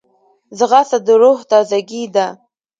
ځغاسته د روح تازګي ده